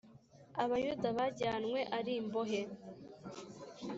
Abayuda bajyanywe ari imbohe